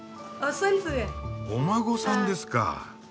お孫さんですか。